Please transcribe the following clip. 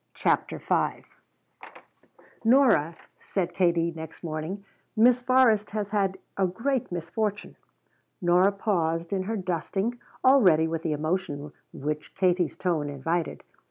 CHAPTER V "Nora," said Katie next morning, "Miss Forrest has had a great misfortune." Nora paused in her dusting, all ready with the emotion which Katie's tone invited.